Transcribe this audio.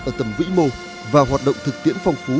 ở tầm vĩ mô và hoạt động thực tiễn phong phú